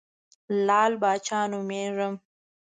لعل پاچا نومېږم.